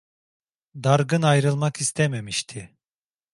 Dargın ayrılmak istememişti.